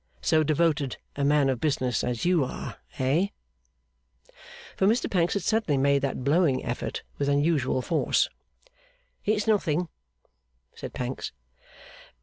So devoted a man of business as you are eh?' For Mr Pancks had suddenly made that blowing effort with unusual force. 'It's nothing,' said Pancks.